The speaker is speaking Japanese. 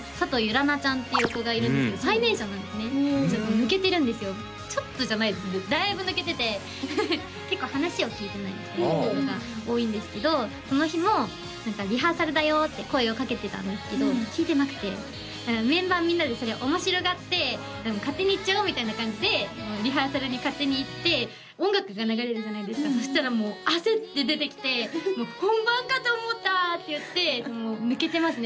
來那ちゃんっていう子がいるんですけど最年少なんですねちょっと抜けてるんですよちょっとじゃないですねだいぶ抜けてて結構話を聞いてないっていうことが多いんですけどその日も「リハーサルだよ」って声をかけてたんですけど聞いてなくてメンバーみんなでそれを面白がって勝手に行っちゃおみたいな感じでリハーサルに勝手に行って音楽が流れるじゃないですかそしたらもう焦って出てきて「本番かと思った！」って言って抜けてますね